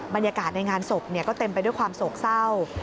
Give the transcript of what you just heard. บรรยากาศในงานศพก็เต็มไปด้วยความโศกเศร้า